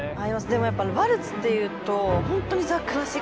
でもやっぱりワルツっていうとほんとにね！